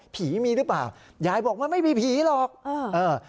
ผีมีหรือเปล่ายายบอกมันไม่มีผีหรอกเออเออ